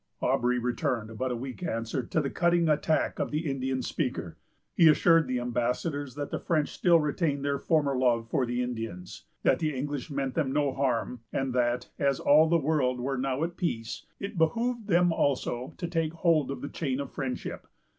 Aubry returned but a weak answer to the cutting attack of the Indian speaker. He assured the ambassadors that the French still retained their former love for the Indians, that the English meant them no harm, and that, as all the world were now at peace, it behooved them also to take hold of the chain of friendship.